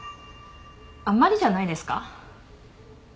あんまりじゃないですか。